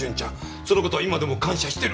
そのことは今でも感謝してる。